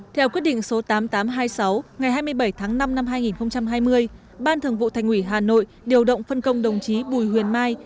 theo quyết định số tám nghìn tám trăm hai mươi sáu ngày hai mươi bảy tháng năm năm hai nghìn hai mươi ban thường vụ thành ủy hà nội điều động phân công đồng chí bùi huyền mai